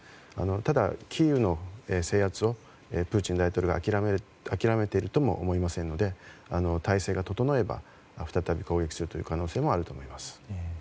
ただ、キーウの制圧をプーチン大統領が諦めているとも思えませんので体制が整えば再び攻撃する可能性もあると思います。